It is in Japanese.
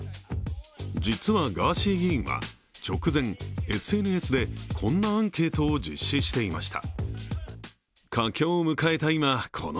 実は、ガーシー議員は直前、ＳＮＳでこんなアンケートを実施していました。